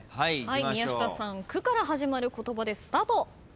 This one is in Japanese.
宮下さん「く」から始まる言葉でスタート。